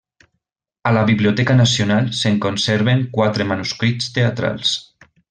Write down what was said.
A la Biblioteca Nacional se'n conserven quatre manuscrits teatrals.